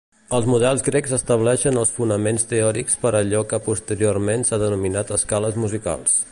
Els modes grecs estableixen els fonaments teòrics per allò que posteriorment s'ha denominat escales musicals.